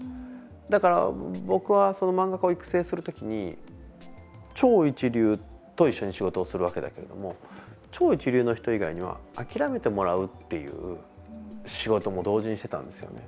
だから僕は漫画家を育成する時に超一流と一緒に仕事をするわけだけれども超一流の人以外には諦めてもらうっていう仕事も同時にしてたんですよね。